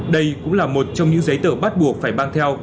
đây cũng là một trong những giấy tờ bắt buộc phải mang theo